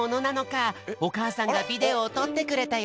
おかあさんがビデオをとってくれたよ。